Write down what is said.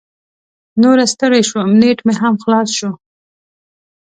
نوره ستړې شوم، نیټ مې هم خلاص شو.